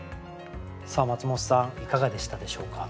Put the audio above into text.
マツモトさんいかがでしたでしょうか？